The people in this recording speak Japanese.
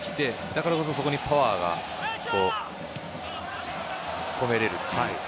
だからこそ、そこにパワーがこめられるという。